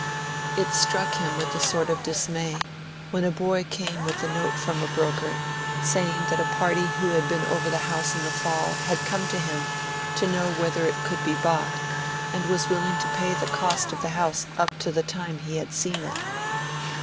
It struck him with a sort of dismay when a boy came with a note from a broker, saying that a party who had been over the house in the fall had come to him to know whether it could be bought, and was willing to pay the cost of the house up to the time he had seen it.